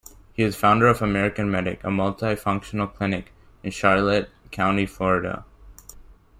He is founder of American-Medic, a multi-functional clinic in Charlotte County, Florida.